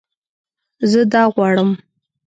زه دا غواړم